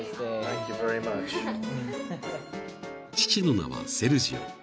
［父の名はセルジオ］